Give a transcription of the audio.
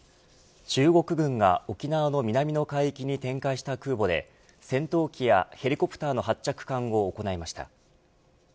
中国軍が沖縄の南の海域に展開した空母で戦闘機やヘリコプターの発着艦を行いました。